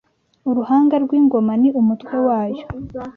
Uruhanga rw’Ingoma ni Umutwe wayo